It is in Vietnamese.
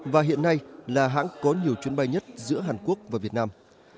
và hiện nay là hãng có nhiều chuyến bay nhất giữa hàn quốc và việt nam